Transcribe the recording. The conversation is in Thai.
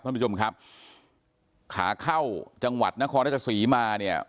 ท่านผู้ชมครับขาเข้าจังหวัดนครราชสีมาเนี่ย